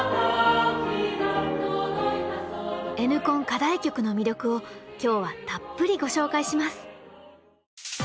課題曲の魅力を今日はたっぷりご紹介します！